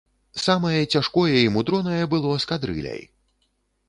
Самае цяжкое і мудронае было з кадрыляй.